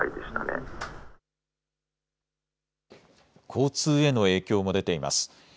交通への影響も出ています。